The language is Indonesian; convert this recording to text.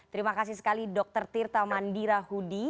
terima kasih sekali dr tirta mandira hudi